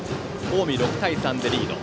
近江、６対３でリード。